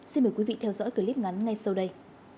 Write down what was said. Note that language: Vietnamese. xin mời quý vị theo dõi clip ngắn ngay sau đây